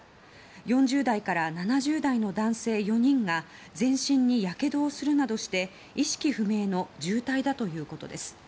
４０代から７０代の男性４人が全身にやけどをするなどして意識不明の重体だということです。